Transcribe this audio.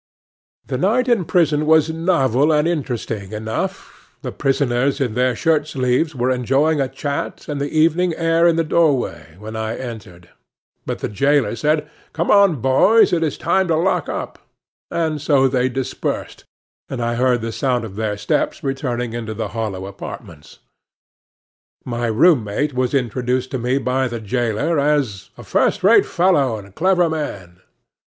The night in prison was novel and interesting enough. The prisoners in their shirt sleeves were enjoying a chat and the evening air in the door way, when I entered. But the jailer said, "Come, boys, it is time to lock up;" and so they dispersed, and I heard the sound of their steps returning into the hollow apartments. My room mate was introduced to me by the jailer as "a first rate fellow and a clever man."